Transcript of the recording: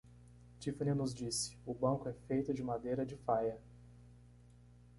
Tiffany nos disse, o banco é feito de madeira de faia.